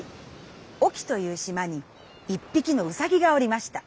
隠岐という島に１ぴきのうさぎがおりました。